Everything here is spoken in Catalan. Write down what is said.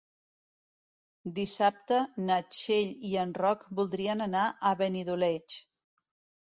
Dissabte na Txell i en Roc voldrien anar a Benidoleig.